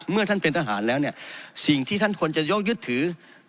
เมื่อท่านเป็นทหารแล้วเนี่ยสิ่งที่ท่านควรจะยกยึดถือ